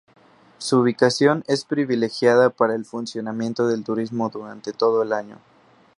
Su ubicación es privilegiada para el funcionamiento del turismo durante todo el año.